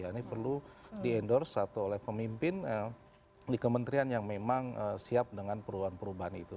ini perlu di endorse atau oleh pemimpin di kementerian yang memang siap dengan perubahan perubahan itu